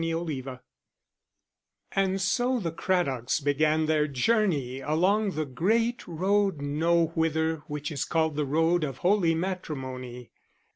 Chapter X And so the Craddocks began their journey along the great road nowhither which is called the Road of Holy Matrimony.